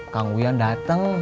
kang uyan dateng